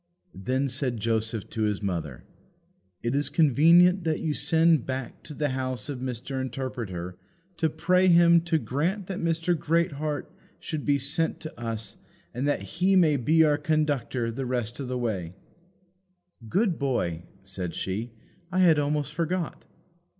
Then said Joseph to his mother, "It is convenient that you send back to the house of Mr. Interpreter to pray him to grant that Mr. Greatheart should be sent to us that he may be our conductor the rest of our way." "Good boy," said she, "I had almost forgot."